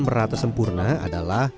merata sempurna adalah